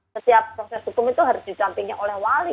setiap proses hukum itu harus didampingi oleh wali